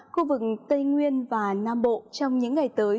khu vực tây nguyên và nam bộ trong những ngày tới